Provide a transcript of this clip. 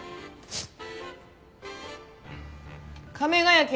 フッ。